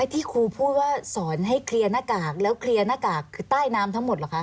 ที่ครูพูดว่าสอนให้เคลียร์หน้ากากแล้วเคลียร์หน้ากากคือใต้น้ำทั้งหมดเหรอคะ